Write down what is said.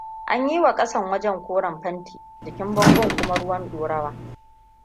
An yiwa ƙasan wajen koren fanti, jikin bangon kuma ruwan ɗorawa.